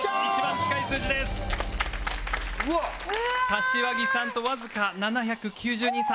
柏木さんとわずか７９０人差